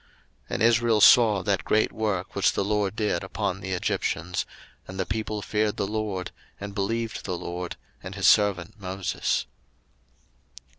02:014:031 And Israel saw that great work which the LORD did upon the Egyptians: and the people feared the LORD, and believed the LORD, and his servant Moses.